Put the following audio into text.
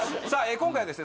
今回はですね